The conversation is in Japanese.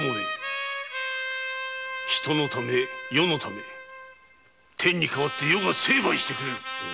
人のため世のため天に代わって余が成敗してくれる！